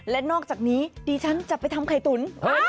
และนอกจากนี้ดิฉันจะไปทำไข่ตุ๋น